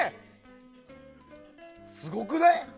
すごくない？